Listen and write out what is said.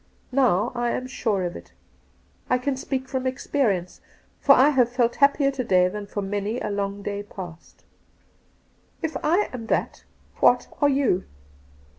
Now I am sure of it. I can speak from experience, for I have felt happier to day than for many a long day past.' ' If I am that, what are you